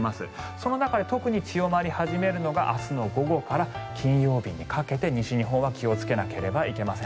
その中で特に強まり始めるのが明日の午後から金曜日にかけて、西日本は気をつけないといけません。